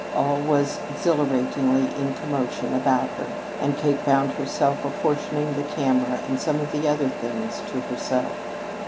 All was exhilaratingly in commotion about her; and Kate found herself apportioning the camera and some of the other things to herself.